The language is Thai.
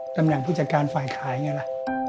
ตำแหน่งผู้จัดการฝ่ายขายไงล่ะ